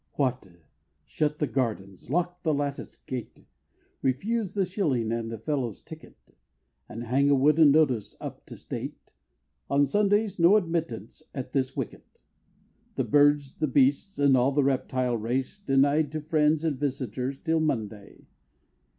What! shut the gardens; lock the latticed gate! Refuse the shilling and the Fellow's ticket! And hang a wooden notice up to state, "On Sundays no admittance at this wicket!" The Birds, the Beasts, and all the Reptile race Denied to friends and visitors till Monday!